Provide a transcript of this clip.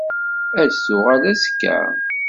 Ad d-tuɣal azekka?